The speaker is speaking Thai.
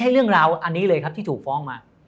เรื่องราวอันนี้เลยครับที่ถูกฟ้องมา